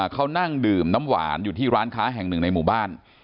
เขานั่งดื่มน้ำหวานอยู่ที่ร้านค้าแห่งหนึ่งในหมู่บ้าน